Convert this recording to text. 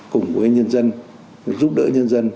cùng với nhân dân giúp đỡ nhân dân